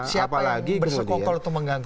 siapa yang bersekongkol atau mengganggu